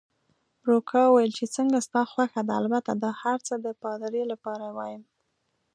روکا وویل: چې څنګه ستا خوښه ده، البته دا هرڅه د پادري لپاره وایم.